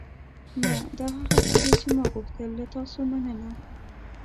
نه، دا هغه څه دي چې ما غوښتل. له تاسو مننه.